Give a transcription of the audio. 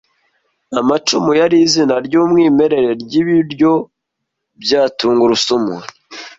Amacumu yari izina ryumwimerere ryibiryo bya tungurusumu